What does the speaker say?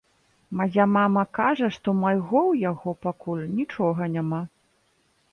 Мая мама кажа, што майго ў яго пакуль нічога няма.